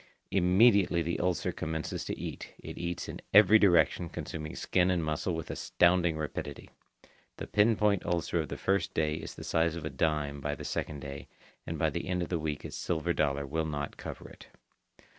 Immediately the ulcer commences to eat. It eats in every direction, consuming skin and muscle with astounding rapidity. The pin point ulcer of the first day is the size of a dime by the second day, and by the end of the week a silver dollar will not cover it.